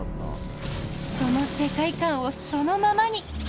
その世界観をそのままに。